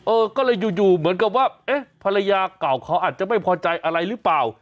เออก็เลยอยู่เหมือนกับว่าเอ๊ะภรรยาเก่าเขาอาจจะไม่พอใจอะไรหรือเปล่า